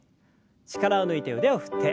力を抜いて腕を振って。